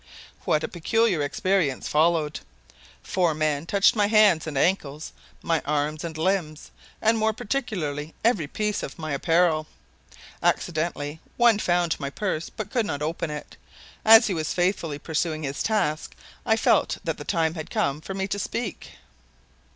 What a peculiar experience followed! Four men touched my hands and ankles, my arms and limbs, and more particularly every piece of my apparel. Accidentally one found my purse, but could not open it. As he was faithfully pursuing his task, I felt that the time had come for me to speak.